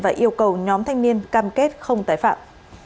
và yêu cầu nhóm thanh niên cam kết không tái phạm